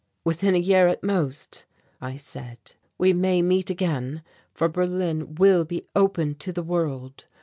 "Within a year at most," I said, "we may meet again, for Berlin will be open to the world.